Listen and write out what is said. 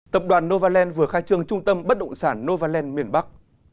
tập đoàn novaland vừa khai trương trung tâm bất động sản novaland miền bắc